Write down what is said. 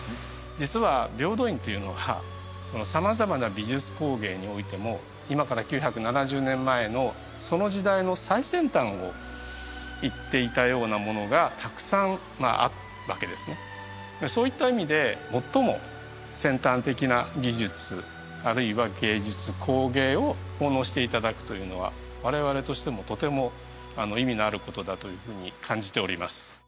実は平等院っていうのはその様々な美術工芸においても今から９７０年前のその時代の最先端をいっていたようなものがたくさんあるわけですねそういった意味で最も先端的な技術あるいは芸術工芸を奉納していただくというのは我々としてもとても意味のあることだというふうに感じております